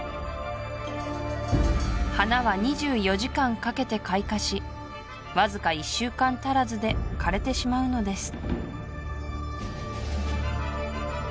花は２４時間かけて開花しわずか１週間足らずで枯れてしまうのです